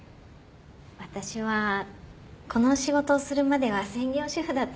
私はこの仕事をするまでは専業主婦だったので。